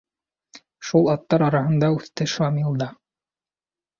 Шул аттар араһында үҫте Шамил да.